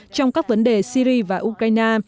trong các vấn đề syria và ukraine